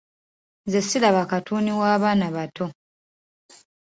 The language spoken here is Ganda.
Nze siraba katuuni w'abaana bato.